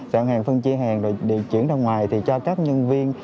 soạn hàng phân chia hàng rồi chuyển ra ngoài thì cho các nhân viên